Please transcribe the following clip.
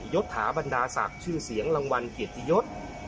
ยศถาบรรดาศักดิ์ชื่อเสียงรางวัลเกียรติยศ